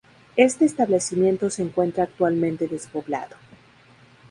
Este establecimiento se encuentra actualmente despoblado.